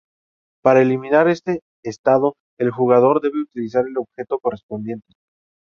Para eliminar este estado, el jugador debe utilizar el objeto correspondiente.